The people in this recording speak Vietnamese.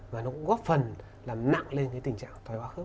và nó cũng góp phần làm nặng lên tình trạng